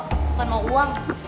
bukan mau uang